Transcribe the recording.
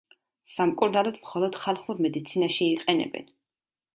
სამკურნალოდ მხოლოდ ხალხურ მედიცინაში იყენებენ.